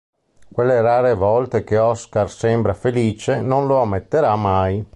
Quelle rare volte che Oscar sembra felice, non lo ammetterà mai.